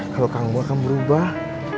kalau kamu akan berubah